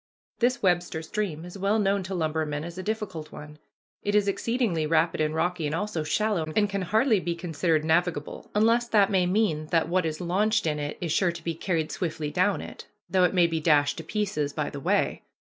This Webster Stream is well known to lumbermen as a difficult one. It is exceedingly rapid and rocky, and also shallow, and can hardly be considered navigable, unless that may mean that what is launched in it is sure to be carried swiftly down it, though it may be dashed to pieces by the way.